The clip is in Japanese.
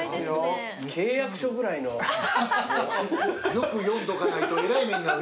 ・よく読んどかないとえらい目に遭うやつですよ。